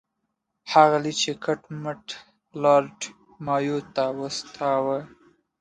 هغه لیک یې کټ مټ لارډ مایو ته واستاوه.